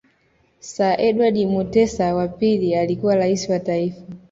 Sir Edward Mutesa wa pili alikuwa Rais wa Taifa